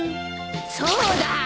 そうだ！